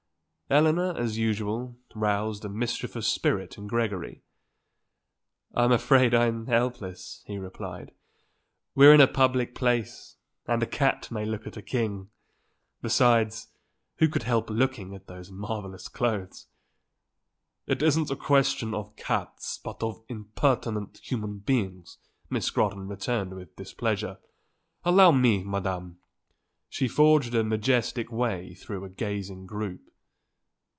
Eleanor, as usual, roused a mischievous spirit in Gregory. "I'm afraid I'm helpless," he replied. "We're in a public place, and a cat may look at a king. Besides, who could help looking at those marvellous clothes." "It isn't a question of cats but of impertinent human beings," Miss Scrotton returned with displeasure. "Allow me, Madam," she forged a majestic way through a gazing group.